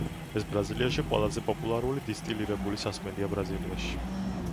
ეს ბრაზილიაში ყველაზე პოპულარული დისტილირებული სასმელია ბრაზილიაში.